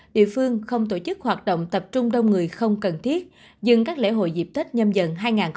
địa phương không tổ chức hoạt động tập trung đông người không cần thiết dừng các lễ hội dịp tết nhâm dần dần hai nghìn hai mươi bốn